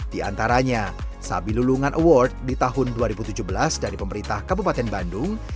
di antaranya sabilungan award di tahun dua ribu tujuh belas dari pemerintah kabupaten bandung